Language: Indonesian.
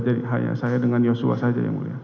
jadi hanya saya dengan yosua saja yang mulia